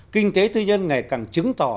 kinh tế tư nhân ngày càng chứng tỏ